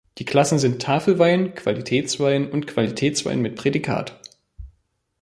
Die Klassen sind Tafelwein, Qualitätswein und Qualitätswein mit Prädikat.